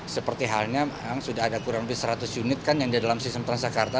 seperti halnya sudah ada kurang lebih seratus unit kan yang di dalam sistem transjakarta